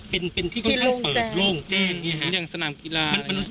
เป็นที่ค่อนข้างเปิดโล่งแจ้งอย่างนี่ฮะ